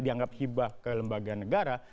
dianggap hibah ke lembaga negara